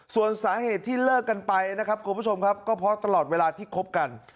ส่วนสาเหตุที่เลิกกันไปนะครับคุณผู้ชมครับก็เพราะตลอดเวลาที่คบกัน